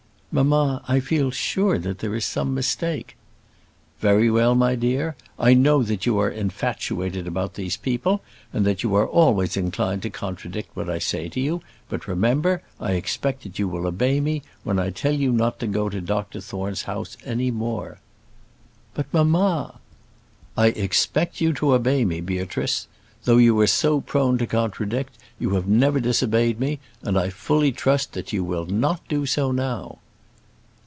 "Mamma, I feel sure that there is some mistake." "Very well, my dear. I know that you are infatuated about these people, and that you are always inclined to contradict what I say to you; but, remember, I expect that you will obey me when I tell you not to go to Dr Thorne's house any more." "But, mamma " "I expect you to obey me, Beatrice. Though you are so prone to contradict, you have never disobeyed me; and I fully trust that you will not do so now."